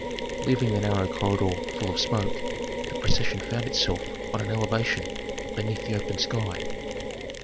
Leaving the narrow corridor full of smoke, the procession found itself on an elevation beneath the open sky.